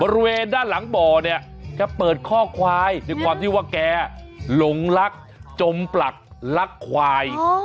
บริเวณด้านหลังบ่อเนี่ยแกเปิดข้อควายในความที่ว่าแกหลงลักจมปลักลักควาย